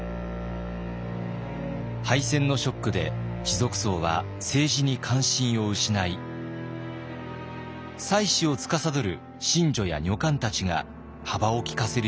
敗戦のショックで士族層は政治に関心を失い祭祀をつかさどる神女や女官たちが幅を利かせるようになります。